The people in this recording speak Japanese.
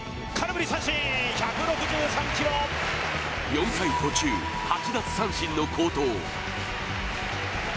４回途中、８奪三振の好投。